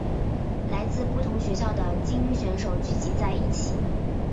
来自不同学校的菁英选手聚集在一起。